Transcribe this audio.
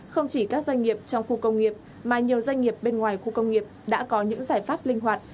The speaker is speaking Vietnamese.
không chỉ các doanh nghiệp trong khu công nghiệp mà nhiều doanh nghiệp bên ngoài khu công nghiệp đã có những giải pháp linh hoạt